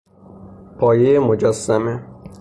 پایهی مجسمه